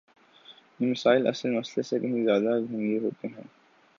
یہ مسائل اصل مسئلے سے کہیں زیادہ گمبھیر ہوتے ہیں۔